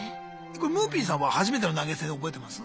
むーぴんさんは初めての投げ銭覚えてます？